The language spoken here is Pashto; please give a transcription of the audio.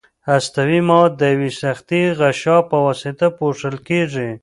هستوي مواد د یوې سختې غشا په واسطه پوښل کیږي.